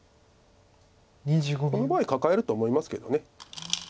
この場合カカえると思いますけど。